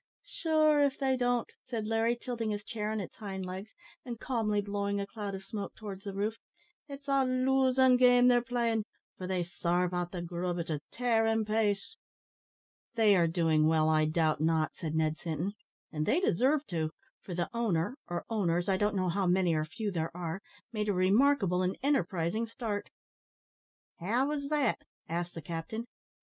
"Sure, if they don't," said Larry, tilting his chair on its hind legs, and calmly blowing a cloud of smoke towards the roof, "it's a losin' game they're playin', for they sarve out the grub at a tearin' pace." "They are doing well, I doubt not," said Ned Sinton; "and they deserve to, for the owner or owners, I don't know how many or few there are made a remarkable and enterprising start." "How was that?" asked the captain.